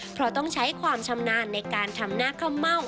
เพราะต้องใช้ความชำนาญในการทำหน้าข้าวเม่า